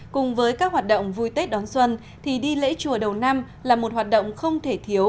cùng với các hoạt động vui tết đón xuân thì đi lễ chùa đầu năm là một hoạt động không thể thiếu